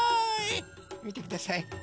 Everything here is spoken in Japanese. みてください！